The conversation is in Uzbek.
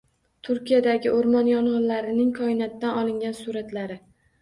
Turkiyadagi o‘rmon yong‘inlarining koinotdan olingan suratlari